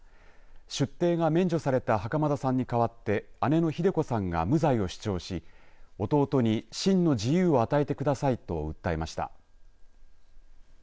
出廷が免除された袴田さんに代わって姉のひで子さんが無罪を主張し弟に真の自由を与えてくださいと訴えました。